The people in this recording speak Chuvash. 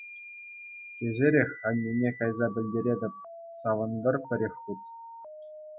Кӗҫӗрех аннӳне кайса пӗлтеретӗп — савӑнтӑр пӗрех хут!